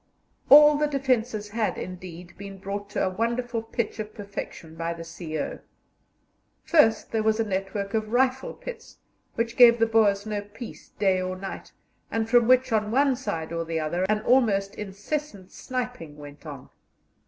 All the defences had, indeed, been brought to a wonderful pitch of perfection by the C.O. First there was a network of rifle pits, which gave the Boers no peace day or night, and from which on one side or the other an almost incessant sniping went on.